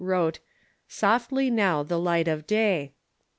1859) wrote " Softly now the light of day."